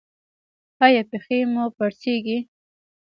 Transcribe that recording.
ایا پښې مو پړسیږي؟